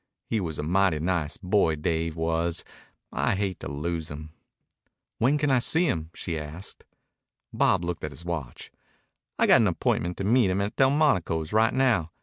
He was a mighty nice boy, Dave was. I hate to lose him." "When can I see him?" she asked. Bob looked at his watch. "I got an appointment to meet him at Delmonico's right now.